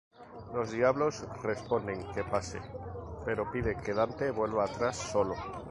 Los diablos responden que pase, pero piden que Dante vuelva atrás solo.